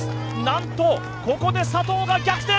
何とここで佐藤が逆転！